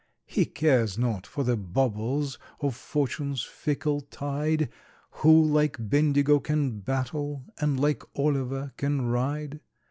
He cares not for the bubbles of Fortune's fickle tide, Who like Bendigo can battle, and like Olliver can ride.